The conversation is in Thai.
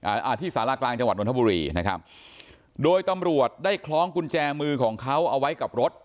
อ่าที่สารากลางจังหวัดนทบุรีนะครับโดยตำรวจได้คล้องกุญแจมือของเขาเอาไว้กับรถ